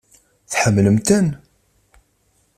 Tḥemmlemt-ten?